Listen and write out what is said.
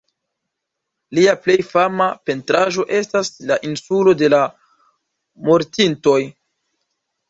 Lia plej fama pentraĵo estas "La Insulo de la Mortintoj".